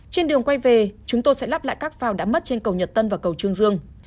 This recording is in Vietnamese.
trên đường quay về chúng tôi sẽ lắp lại các phao đã mất trên cầu nhật tân và cầu trương dương